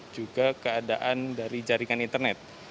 juga keadaan dari jaringan internet